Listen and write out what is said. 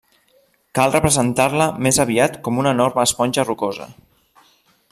Cal representar-la més aviat com una enorme esponja rocosa.